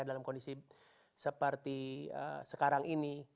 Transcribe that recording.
dalam kondisi seperti sekarang ini